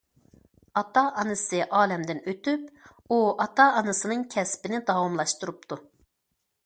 ئاتا- ئانىسى ئالەمدىن ئۆتۈپ ئۇ ئاتا- ئانىسىنىڭ كەسپىنى داۋاملاشتۇرۇپتۇ.